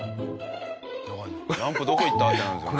「ランプどこ行った？」ってなるんですよね。